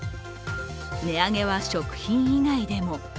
値上げは食品以外でも。